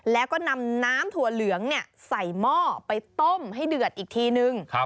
แล้วก็นำน้ำถั่วเหลืองใส่หม้อไปต้มให้เดือดอีกทีนึง